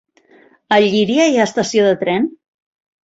A Llíria hi ha estació de tren?